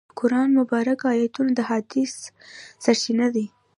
د قرآن مبارکه آیتونه د هدایت سرچینه دي.